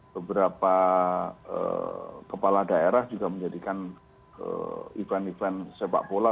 beberapa kepala daerah juga menjadikan event event sepak bola